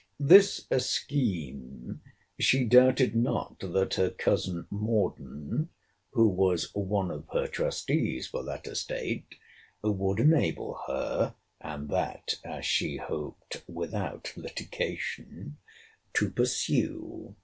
This scheme she doubted not that her cousin Morden, who was one of her trustees for that estate, would enable her, (and that, as she hoped, without litigation,) to pursue.